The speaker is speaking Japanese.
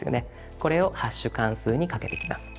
これをハッシュ関数にかけていきます。